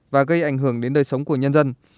và gây ảnh hưởng đến đời sống của nhân dân